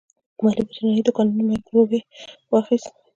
ما له برېښنايي دوکانه مایکروویو واخیست.